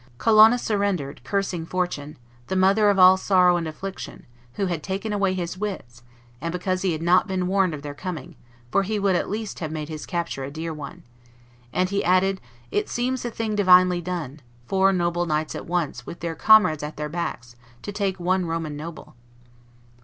Colonna surrendered, cursing Fortune, "the mother of all sorrow and affliction, who had taken away his wits, and because he had not been warned of their coming, for he would at least have made his capture a dear one;" and he added, "It seems a thing divinely done; four noble knights at once, with their comrades at their backs, to take one Roman noble!"